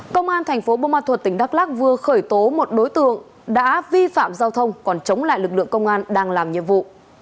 công an thành phố bô ma thuật tỉnh đắk lắc vừa khởi tố một đối tượng đã vi phạm giao thông còn chống lại lực lượng công an đang làm nhiệm vụ